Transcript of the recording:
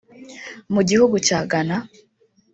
Mu gihugu cya Ghana